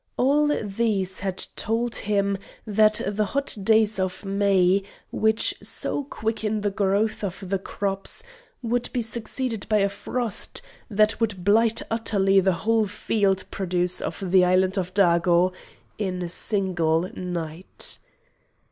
All these had told him that the hot days of May, which so quicken the growth of the crops, would be succeeded by a frost that would blight utterly the whole field produce of the island of Dago in a single night.